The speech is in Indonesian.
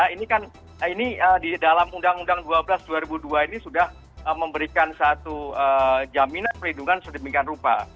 ini kan ini di dalam undang undang dua belas dua ribu dua ini sudah memberikan satu jaminan perlindungan sedemikian rupa